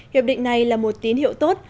hiệp định này là một tín hiệu tốt